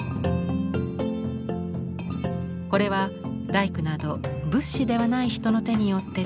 これは大工など仏師ではない人の手によって作られた像。